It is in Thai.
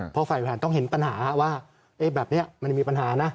เพราะฝ่ายบริหารต้องเห็นปัญหาว่าแบบนี้มันมีปัญหานะ